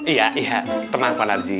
iya iya tenang pak narji